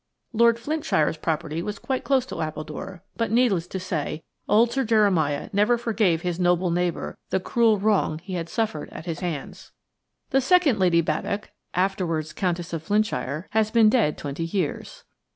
Lord Flintshire's property was quite close to Appledore; but, needless to say, old Sir Jeremiah never forgave his noble neighbour the cruel wrong he had suffered at his hands. The second Lady Baddock, afterwards Countess of Flintshire, has been dead twenty years.